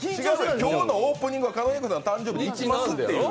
今日のオープニングは狩野英孝さんの誕生日でいきますと。